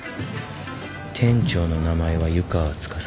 店長の名前は湯川司。